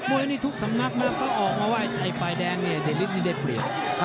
มวยศูนย์นี่ทุกสามนักนะเขาออกมาไฟแดงอันนี่เดลิดให้เด็กเดี่ยว